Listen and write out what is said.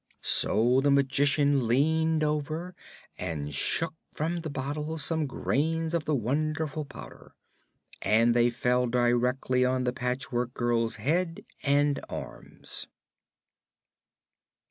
So the Magician leaned over and shook from the bottle some grains of the wonderful Powder, and they fell directly on the Patchwork Girl's head and arms.